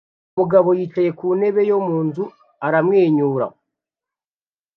Umugabo yicaye ku ntebe yo mu nzu aramwenyura